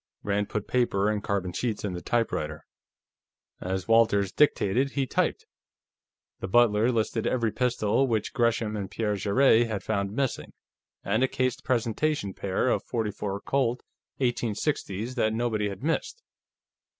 Rand put paper and carbon sheets in the typewriter. As Walters dictated, he typed; the butler listed every pistol which Gresham and Pierre Jarrett had found missing, and a cased presentation pair of .44 Colt 1860's that nobody had missed.